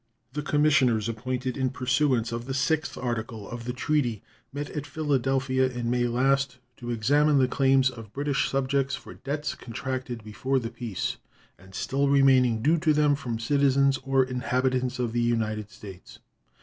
The commissioners appointed in pursuance of the 6th article of the treaty met at Philadelphia in May last to examine the claims of British subjects for debts contracted before the peace and still remaining due to them from citizens or inhabitants of the United States.